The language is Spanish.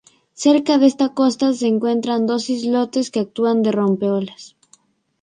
Cerca de esta costa, se encuentran dos islotes que actúan de rompeolas.